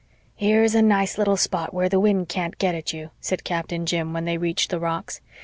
"Here's a nice little spot where the wind can't get at you," said Captain Jim, when they reached the rocks.